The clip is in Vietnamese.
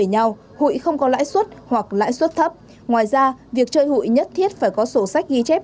nhau hụi không có lãi suất hoặc lãi suất thấp ngoài ra việc chơi hụi nhất thiết phải có sổ sách ghi chép